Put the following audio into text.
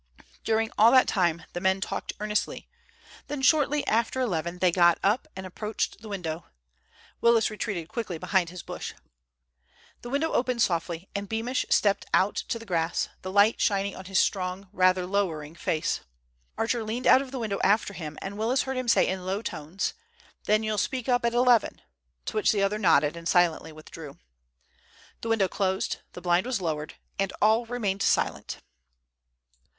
During all that time the men talked earnestly, then, shortly after eleven, they got up and approached the window. Willis retreated quickly behind his bush. The window opened softly and Beamish stepped out to the grass, the light shining on his strong, rather lowering face. Archer leaned out of the window after him, and Willis heard him say in low tones, "Then you'll speak up at eleven?" to which the other nodded and silently withdrew. The window closed, the blind was lowered, and all remained silent.